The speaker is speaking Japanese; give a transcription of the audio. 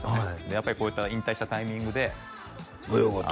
やっぱりこういった引退したタイミングで泳ごうと？